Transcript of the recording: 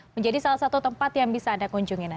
menjadi salah satu tempat yang bisa anda kunjungi